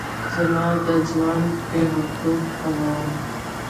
زما د ځوان پیغلتوب پلونه